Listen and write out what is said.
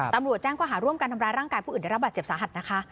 ตำรวจแจ้งข้อหาร่วมกันทำร้ายร่างกายผู้อื่นได้รับบาดเจ็บสาหัสนะคะ